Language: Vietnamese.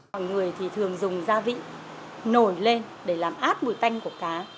mọi người thì thường dùng gia vị nổi lên để làm át mùi tanh của cá